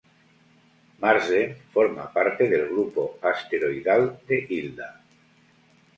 Marsden forma parte del grupo asteroidal de Hilda